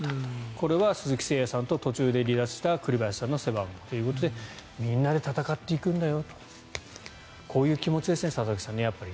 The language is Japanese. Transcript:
これは鈴木誠也さんと途中で離脱した栗林さんの背番号ということでみんなで戦っていくんだよとこういう気持ちですね里崎さん。